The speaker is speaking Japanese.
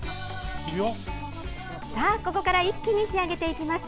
さあ、ここから一気に仕上げていきます。